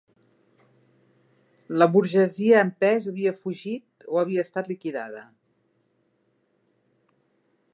La burgesia en pes havia fugit, o havia estat liquidada